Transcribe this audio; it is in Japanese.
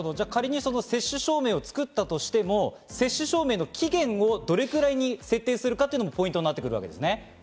仮に接種証明を作ったとしても、接種証明の期限をどれくらいに設定するかもポイントになってくるわけですね。